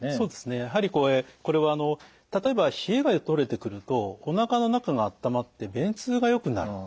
やはりこれはあの例えば冷えがとれてくるとおなかの中が温まって便通がよくなる。